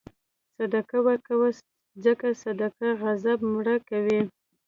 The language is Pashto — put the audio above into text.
صدقه ورکوه، ځکه صدقه غضب مړه کوي.